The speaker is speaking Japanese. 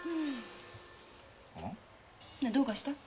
どうかしたの？